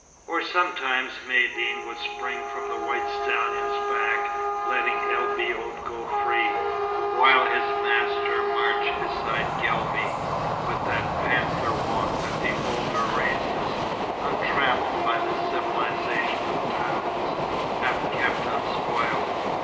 Or, sometimes, Maïeddine would spring from the white stallion's back, letting El Biod go free, while his master marched beside Guelbi, with that panther walk that the older races, untrammelled by the civilization of towns, have kept unspoiled.